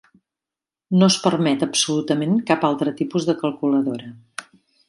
No es permet absolutament cap altre tipus de calculadora.